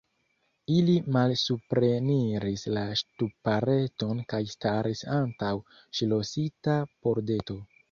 Ili malsupreniris la ŝtupareton kaj staris antaŭ ŝlosita pordeto.